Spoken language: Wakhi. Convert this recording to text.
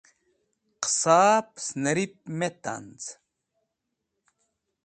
Qẽsa pẽsnẽrip me tanz̃.